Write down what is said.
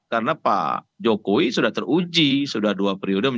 karena pak jokowi sudah teruji sudah diperhatikan